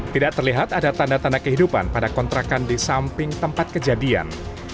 tidak terlihat ada tanda tanda kehidupan pada kontrakan di samping tempat kejadian